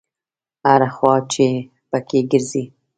هره خوا چې په کې ګرځې.